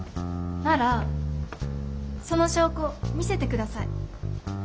ならその証拠見せて下さい。